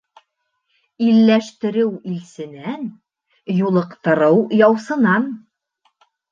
Илләштсреү илсенән, юлыҡтырыу яусынан.